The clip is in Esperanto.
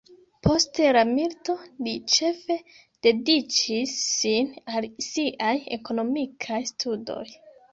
Post la milito, li ĉefe dediĉis sin al siaj ekonomikaj studoj.